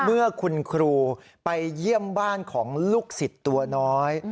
เมื่อคุณครูไปเยี่ยมบ้านของลูกศิษย์ตัวน้อย